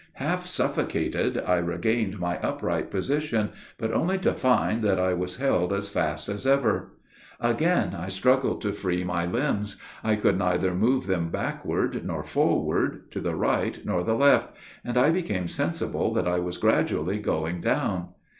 Half suffocated, I regained my upright position, but only to find that I was held as fast as ever. Again I struggled to free my limbs. I could neither move them backward nor forward to the right nor the left; and I became sensible that I was gradually going down.